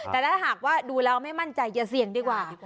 แต่ถ้าหากว่าดูแล้วไม่มั่นใจอย่าเสี่ยงดีกว่า